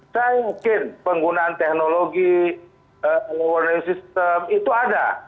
saya yakin penggunaan teknologi e learning system itu ada